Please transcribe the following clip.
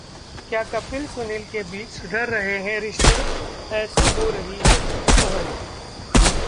क्या कपिल-सुनील के बीच सुधर रहे हैं रिश्ते? ऐसे हो रही पहल